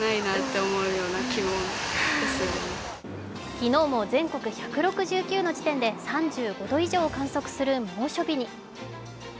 昨日も全国１６９の地点で３５度以上を観測する猛暑日に。